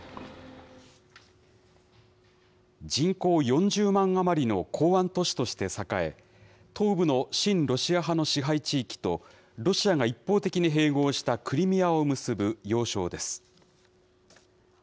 人口４０万余りの港湾都市として栄え、東部の親ロシア派の支配地域と、ロシアが一方的に併合したクリミアを結ぶ要衝です。